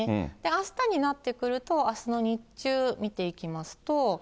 あしたになってくると、あすの日中見ていきますと。